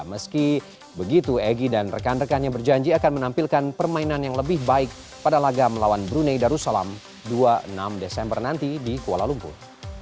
meski begitu egy dan rekan rekannya berjanji akan menampilkan permainan yang lebih baik pada laga melawan brunei darussalam dua puluh enam desember nanti di kuala lumpur